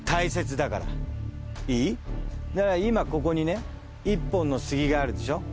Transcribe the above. だから今ここにね１本の杉があるでしょ。